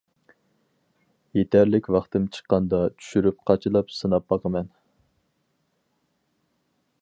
يېتەرلىك ۋاقتىم چىققاندا چۈشۈرۈپ قاچىلاپ سىناپ باقىمەن.